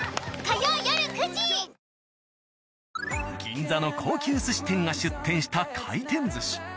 銀座の高級寿司店が出店した回転寿司。